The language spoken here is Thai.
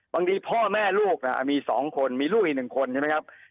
บางทีพ่อแม่ลูกมี๒คนมีลูกอีก๑คนใช่ไหมครับ